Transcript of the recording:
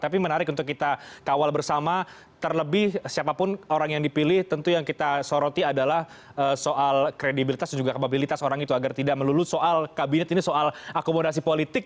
tapi menarik untuk kita kawal bersama terlebih siapapun orang yang dipilih tentu yang kita soroti adalah soal kredibilitas dan juga kapabilitas orang itu agar tidak melulu soal kabinet ini soal akomodasi politik